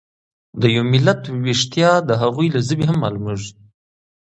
د یو ملت ويښتیا د هغوی له ژبې هم مالومیږي.